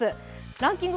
ランキング